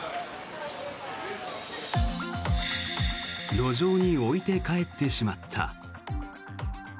路上に置いて帰ってしまった。